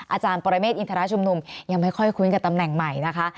อาจารย์ปรเมฆอินทรชุมนุมยังไม่ค่อยคุ้นกับตำแหน่งใหม่นะคะ